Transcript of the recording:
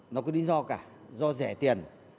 nó có lý do cả do rẻ tiền